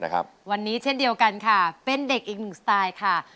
วันนี้เช่นเดียวกันค่ะเป็นเด็กอีกหนึ่งสไตล์ค่ะ